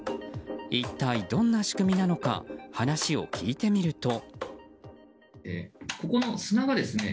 一体どんな仕組みなのか話を聞いてみると。